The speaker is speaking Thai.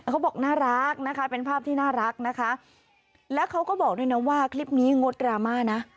เขาบอกน่ารักนะคะเป็นภาพที่น่ารักนะคะแล้วเขาก็บอกด้วยนะว่าคลิปนี้งดดราม่านะ